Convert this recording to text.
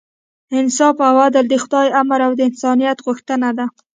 انصاف او عدل د خدای امر او د انسانیت غوښتنه ده.